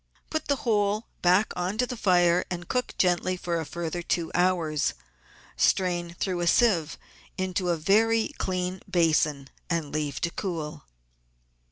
Put the whole back on to the fire and cook gently for a further two hours. Strain through a sieve into a very clean basin and leave to cool.